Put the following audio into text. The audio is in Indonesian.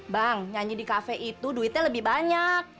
bang nyanyi di kafe itu duitnya lebih banyak